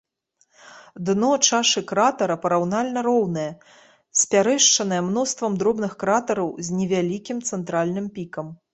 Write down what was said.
Дно чашы кратара параўнальна роўнае, спярэшчаная мноствам дробных кратараў, з невялікім цэнтральным пікам.